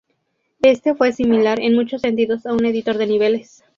Este fue similar en muchos sentidos a un editor de niveles.